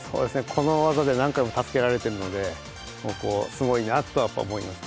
この技で何回も助けられているのですごいなとやっぱ思います。